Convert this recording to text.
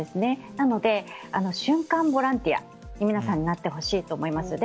なので、瞬間ボランティアに皆さんになってほしいと思います。